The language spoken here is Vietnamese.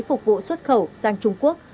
phục vụ xuất khẩu sang trung quốc